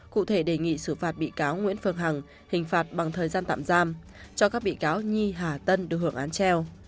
cụ thể đề nghị xử phạt bị cáo nguyễn phương hằng hình phạt bằng thời gian tạm giam cho các bị cáo nhi hà tân được hưởng án treo